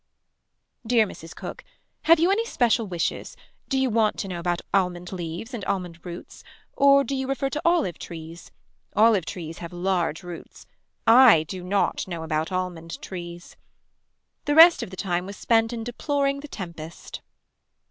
Dear Mrs. Cook. Have you any special wishes. Do you want to know about almond leaves and almond roots. Or do you refer to olive roots. Olive trees have large roots. I do not know about almond trees. The rest of the time was spent in deploring the tempest.